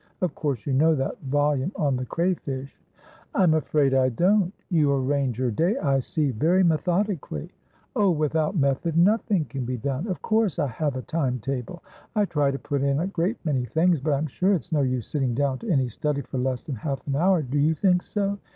Of course you know that volume on the Crayfish?" "I'm afraid I don't. You arrange your day, I see, very methodically." "Oh, without method nothing can be done. Of course I have a time table. I try to put in a great many things, but I'm sure it's no use sitting down to any study for less than half an hourdo you think so?